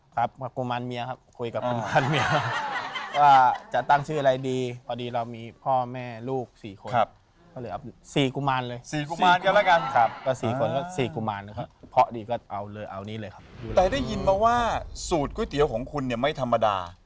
แต่ได้ยินมาว่าสูตรก๋วยเตี๋ยวของคุณไม่ธรรมดา